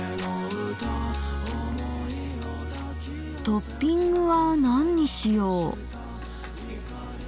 トッピングは何にしよう？